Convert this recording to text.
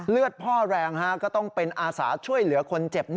เลือดพ่อแรงก็ต้องเป็นอาสาช่วยเหลือคนเจ็บ